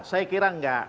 saya kira enggak